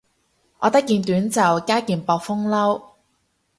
我得件短袖加件薄風褸